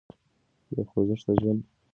بې خوځښته ژوند خطر زیاتوي.